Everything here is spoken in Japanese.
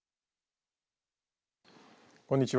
こんにちは。